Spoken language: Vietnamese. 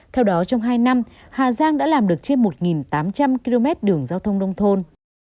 theo đó trong hai năm hà giang đã làm được trên một tám trăm linh km đường giao thông nông thôn